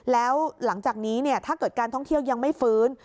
แล้วหลังจากนี้ถ้าเกิดการท่องเที่ยวยังไม่ฟื้น